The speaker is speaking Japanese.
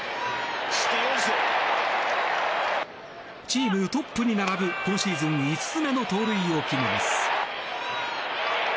チームトップに並ぶ今シーズン５つ目の盗塁を決めます。